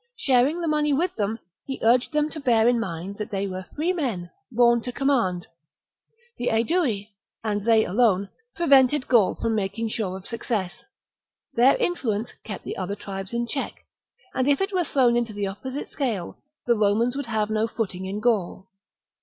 Sharing the money with them, he urged them to bear in mind that they were free men, born to command. The Aedui, and they alone, prevented Gaul from making sure of success : their influence kept the other tribes in check ; and if it were thrown into the opposite scale, the Romans would have no footing in Gaul.